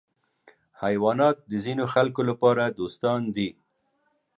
حیوانات د ځینو خلکو لپاره دوستان دي.